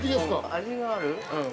◆味がある。